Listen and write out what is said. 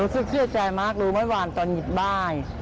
รู้สึกเสียใจมากรู้ไม่วานตอนหยิบบ้าย